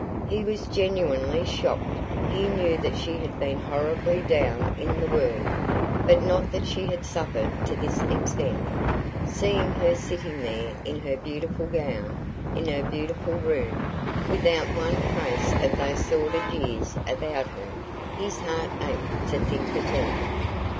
He was genuinely shocked. He knew that she had been horribly down in the world, but not that she had suffered to this extent. Seeing her sitting there in her beautiful gown, in her beautiful room, without one trace of those sordid years about her, his heart ached to think of them.